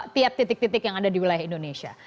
tiap titik titik yang ada di wilayah indonesia